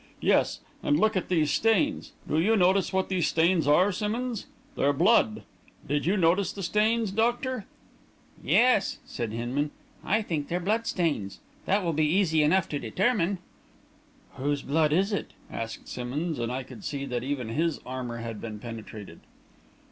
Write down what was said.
Yes, and look at those stains. Do you know what those stains are, Simmonds? They're blood. Did you notice the stains, doctor?" "Yes," said Hinman. "I think they're blood stains. That will be easy enough to determine." "Whose blood is it?" asked Simmonds, and I could see that even his armour had been penetrated.